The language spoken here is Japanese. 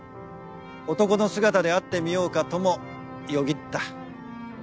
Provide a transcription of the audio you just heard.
男の姿で会ってみようかともよぎった。